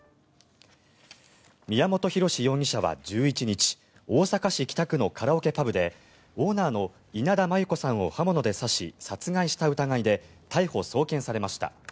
宮本浩志容疑者は１１日大阪市北区のカラオケパブでオーナーの稲田真優子さんを刃物で刺し、殺害した疑いで逮捕・送検されました。